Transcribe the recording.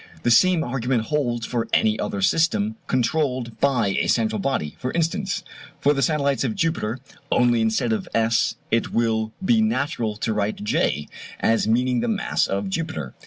The same argument holds for any other system controlled by a central body for instance, for the satellites of Jupiter; only instead of S it will be natural to write J, as meaning the mass of Jupiter.